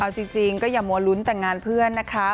เอาจริงก็อย่ามัวลุ้นแต่งงานเพื่อนนะคะ